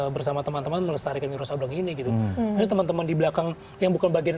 bersama teman teman melestarikan wiro sableng ini gitu ini teman teman di belakang yang bukan bagian